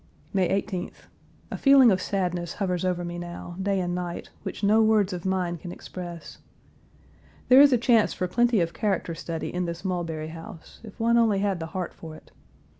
May 18th. A feeling of sadness hovers over me now, day and night, which no words of mine can express. There is a chance for plenty of character study in. this Mulberry house, if one only had the heart for it.